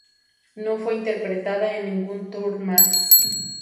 No fue interpretada en ningún tour más.